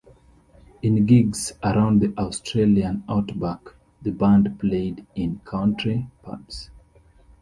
In gigs around the Australian outback, the band played in country pubs.